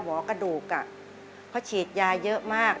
หมอกระดูกเพราะฉีดยาเยอะมาก